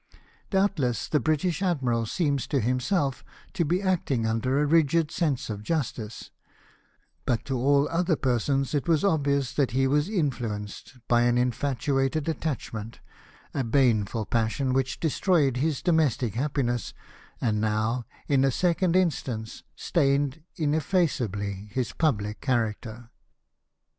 Doubtless the British admiral seems to himself to be acting vmder a rigid sense of justice, but to all other persons it was obvious that he was influenced by an infatuated attachment — a baneful passion which destroyed his domestic happiness, and now, in a second instance, stained ineffaceably his public character.